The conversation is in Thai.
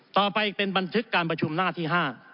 ต่อไปเป็นบันทึกการประชุมหน้าที่๕